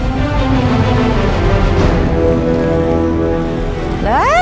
udah lah yono sabar